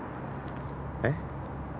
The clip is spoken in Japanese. えっ？